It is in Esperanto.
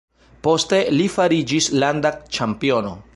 Poste li fariĝis landa ĉampiono.